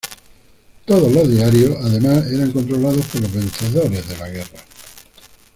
Todos los diarios, además, eran controlados por los vencedores de la guerra.